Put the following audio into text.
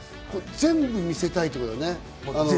全部見せたいってことだね。